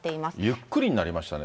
ゆっくりになりましたね。